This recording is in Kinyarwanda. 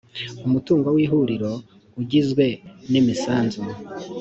umutungo w ihuriro ugizwe n’imisanzu